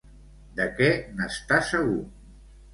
De què n'està segur?